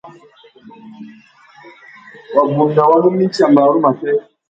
Wabunda wa mú mitsa marru matê.